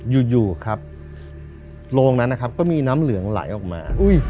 อยู่ครับโรงนั้นนะครับก็มีน้ำเหลืองไหลออกมา